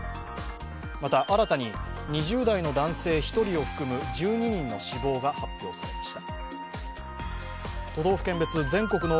また新たに２０代の男性１人を含む１２人の死亡が発表されました。